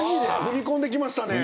踏み込んできましたね。